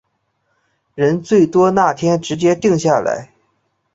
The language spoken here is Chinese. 人最多那天直接定下来